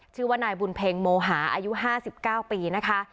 ชื่อว่านายบุญเพ็งโมหาอายุ๕๙ปีนะคะ